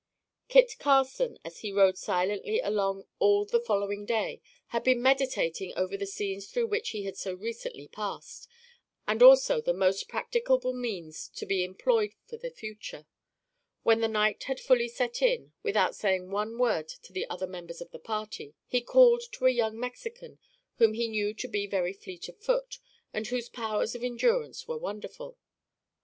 Eat Carson, as he rode silently along all the following day, had been meditating over the scenes through which he had so recently passed, and also the most practicable means to be employed for the future. When the night had fully set in, without saying one word to the other members of the party, he called to a young Mexican whom he knew to be very fleet of foot and whose powers of endurance were wonderful.